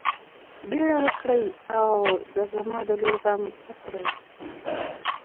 بيړه وکړئ او د زما د لور غم وخورئ.